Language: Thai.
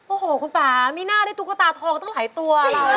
โอ้โหคุณป่ามีหน้าได้ตุ๊กตาทองตั้งหลายตัว